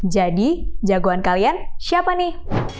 jadi jagoan kalian siapa nih